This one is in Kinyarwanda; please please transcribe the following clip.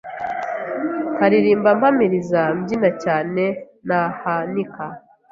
Nkaririmba mpamiriza Mbyina cyane nahanika